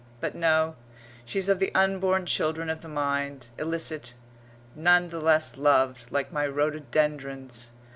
But no; she's of the unborn children of the mind, illicit, none the less loved, like my rhododendrons.